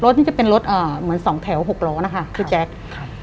นี่จะเป็นรถอ่าเหมือนสองแถวหกล้อนะคะพี่แจ๊คครับ